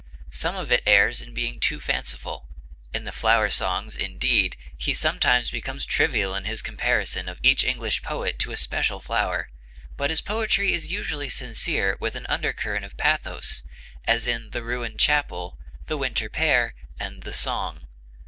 Some of it errs in being too fanciful. In the Flower Songs, indeed, he sometimes becomes trivial in his comparison of each English poet to a special flower; but his poetry is usually sincere with an undercurrent of pathos, as in 'The Ruined Chapel,' 'The Winter Pear,' and the 'Song.'